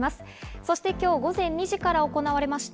そして今日午前２時から行われました。